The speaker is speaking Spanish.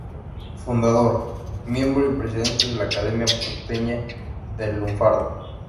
Fundador, miembro y presidente de la Academia Porteña del Lunfardo.